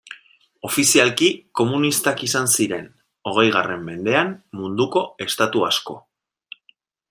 Ofizialki komunistak izan ziren, hogeigarren mendean, munduko estatu asko.